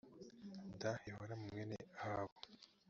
da yehoramu mwene ahabu